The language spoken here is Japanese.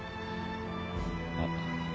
あっ。